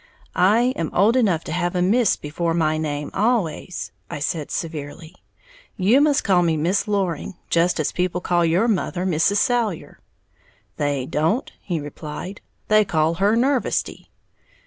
"I am old enough to have a Miss before my name always," I said, severely; "you must call me Miss Loring, just as people call your mother Mrs. Salyer." "They don't," he replied, "they call her Nervesty."